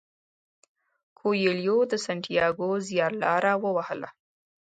کویلیو د سانتیاګو زیارلاره ووهله.